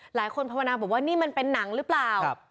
หลายคนพรรณาบอกว่านี่มันเป็นหนังหรือเปล่าครับ